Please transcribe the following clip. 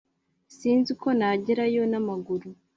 Sinzi ko nagerayo namaguru